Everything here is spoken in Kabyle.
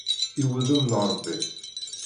I wuddem n Ṛebbi!